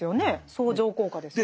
相乗効果ですよね。